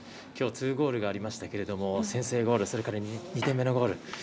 きょう２ゴールがありましたが先制ゴール、それから２点目のゴール。